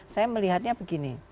saya melihatnya begini